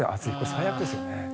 最悪ですよね。